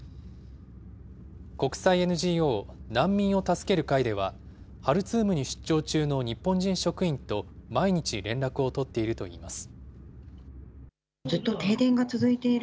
国際ＮＧＯ難民を助ける会では、ハルツームに出張中の日本人職員と、毎日連絡を取っているといいます。